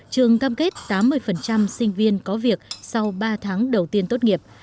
trường cam kết tám mươi sinh viên có việc sau ba tháng đầu tiên tốt nghiệp